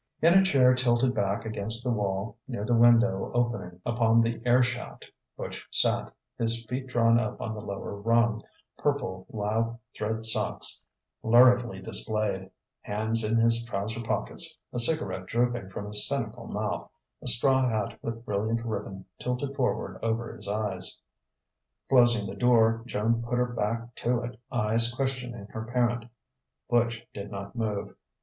In a chair tilted back against the wall, near the window opening upon the air shaft, Butch sat, his feet drawn up on the lower rung, purple lisle thread socks luridly displayed, hands in his trouser pockets, a cigarette drooping from his cynical mouth, a straw hat with brilliant ribbon tilted forward over his eyes. Closing the door, Joan put her back to it, eyes questioning her parent. Butch did not move.